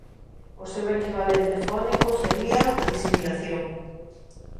O seu equivalente fónico sería a disimilación.